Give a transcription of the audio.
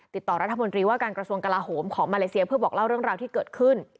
ติดต่อรัฐมนตรีว่าการกระทรวงกลาโหมของมาเลเซียเพื่อบอกเล่าเรื่องราวที่เกิดขึ้น